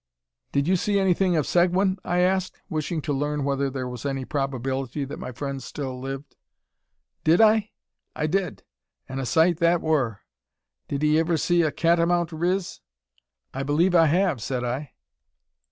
"Did you see anything of Seguin?" I asked, wishing to learn whether there was any probability that my friend still lived. "Did I? I did; an' a sight that wur. Did 'ee iver see a catamount riz?" "I believe I have," said I.